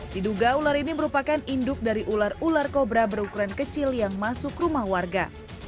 diduga ular ini merupakan induk dari ular ular kobra berukuran kecil yang masuk rumah warga